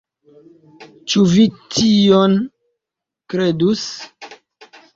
Ĉu vi tion kredus!